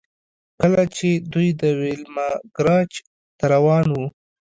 کله چې دوی د ویلما ګراج ته روان وو